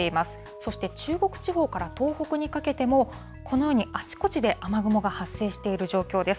そして中国地方から東北にかけても、このようにあちこちで雨雲が発生している状況です。